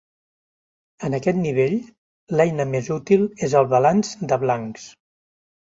En aquest nivell, l'eina més útil és el balanç de blancs.